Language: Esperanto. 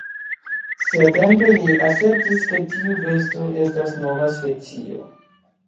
Siatempe li asertis ke tiu besto estas nova specio.